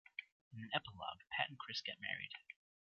In an epilogue, Pat and Chris get married.